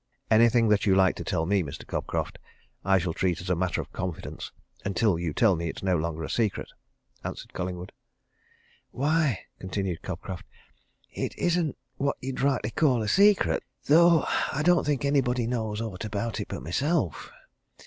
"Anything that you like to tell me, Mr. Cobcroft, I shall treat as a matter of confidence until you tell me it's no longer a secret," answered Collingwood. "Why," continued Cobcroft, "it isn't what you rightly would call a secret though I don't think anybody knows aught about it but myself!